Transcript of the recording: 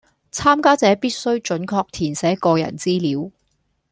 參加者必須準確填寫個人資料